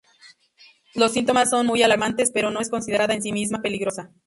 Los síntomas son muy alarmantes, pero no es considerada en sí misma peligrosa.